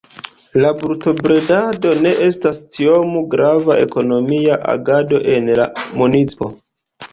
La brutobredado ne estas tiom grava ekonomia agado en la municipo.